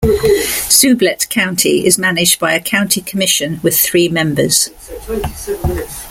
Sublette County is managed by a county commission with three members.